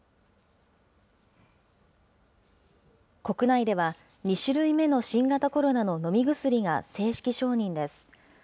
国内では２種類目の新型コロナの飲み薬が正式承認です。